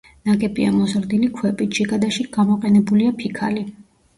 ნაგებია მოზრდილი ქვებით, შიგადაშიგ გამოყენებულია ფიქალი.